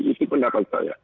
itu pendapat saya